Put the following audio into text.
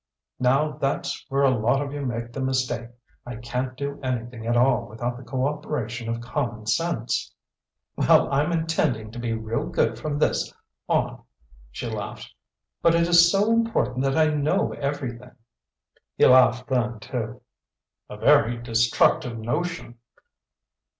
"Now that's where a lot of you make the mistake. I can't do anything at all without the cooperation of common sense." "Well I'm intending to be real good from this on," she laughed. "But it is so important that I know everything!" He laughed then too. "A very destructive notion."